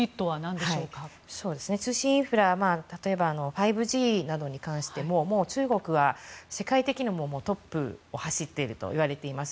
例えば、５Ｇなどに関しても中国は世界的にはもうトップを走っているといわれています。